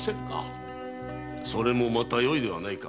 それもまたよいではないか。